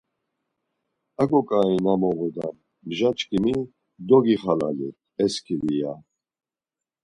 Aǩo ǩai na moğodam mja çkimi dogixalali e skiri ya.